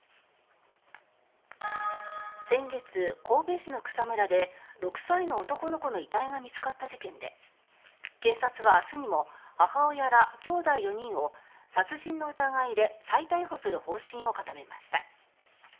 先月、神戸市の草むらで６歳の男の子の遺体が見つかった事件で警察は明日にも母親らきょうだい４人を殺人の疑いで再逮捕する方針を固めました。